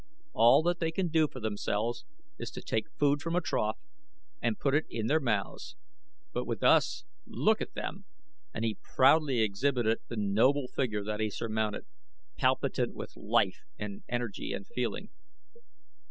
All that they can do for themselves is to take food from a trough and put it in their mouths, but with us look at them!" and he proudly exhibited the noble figure that he surmounted, palpitant with life and energy and feeling.